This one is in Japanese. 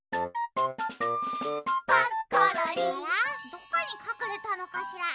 どこにかくれたのかしら。